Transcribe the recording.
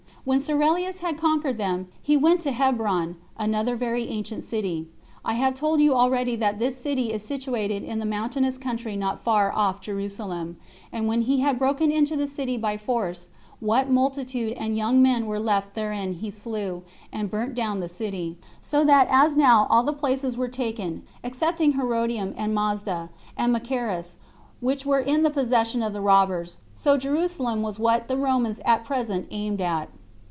When Cerealis had conquered them, he went to Hebron, another very ancient city. I have told you already that this city is situated in a mountainous country not far off Jerusalem; and when he had broken into the city by force, what multitude and young men were left therein he slew, and burnt down the city; so that as now all the places were taken, excepting Herodlum, and Masada, and Machaerus, which were in the possession of the robbers, so Jerusalem was what the Romans at present aimed at.